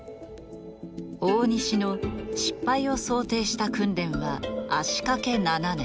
大西の失敗を想定した訓練は足かけ７年。